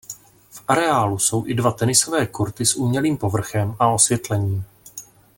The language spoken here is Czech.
V areálu jsou i dva tenisové kurty s umělým povrchem a osvětlením.